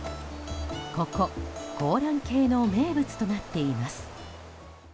ここ、香嵐渓の名物となっています。